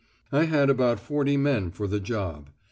I had about forty men for the job.